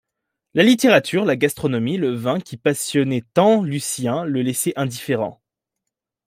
La littérature, la gastronomie, le vin, qui passionnaient tant Lucien, le laissaient indifférent.